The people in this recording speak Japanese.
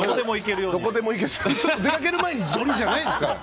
出かける前にジョリ！じゃないですから。